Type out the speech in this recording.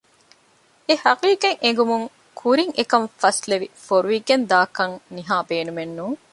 އެ ހަޤީޤަތް އެނގުމުގެ ކުރިން އެކަން ފަސްލެވި ފޮރުވިގެން ދާކަށް ނިހާ ބޭނުމެއް ނޫން